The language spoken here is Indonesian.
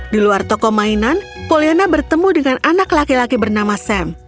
di luar toko mainan poliana bertemu dengan anak laki laki bernama sam